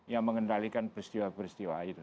yang mengendalikan peristiwa peristiwa